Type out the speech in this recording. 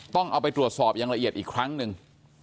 ต้องเอาไปตรวจสอบอย่างละเอียดอีกครั้งหนึ่ง